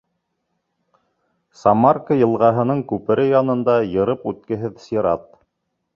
Самарка йылғаһының күпере янында йырып үткеһеҙ сират.